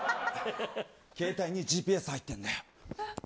携帯にＧＰＳ入ってんだよ。